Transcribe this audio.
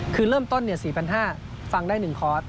คือเริ่มต้น๔๕๐๐ฟังได้๑คอร์ส